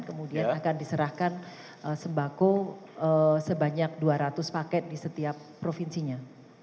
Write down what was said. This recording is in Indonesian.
kemudian akan diserahkan sembako sebanyak dua ratus paket di setiap provinsinya